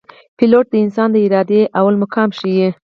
پیلوټ د انسان د ارادې لوړ مقام ښيي.